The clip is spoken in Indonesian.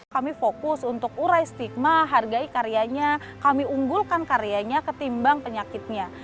kami fokus untuk urai stigma hargai karyanya kami unggulkan karyanya ketimbang penyakitnya